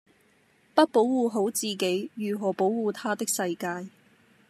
不保護好自己如何保護她的世界